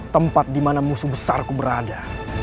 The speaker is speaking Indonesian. tempat dimana musuh besarku berada